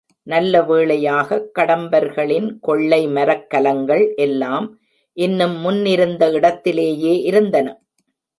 நல்ல வேளையாகக் கடம்பர்களின் கொள்ளை மரக்கலங்கள் எல்லாம் இன்னும் முன்னிருந்த இடத்திலேயே இருந்தன.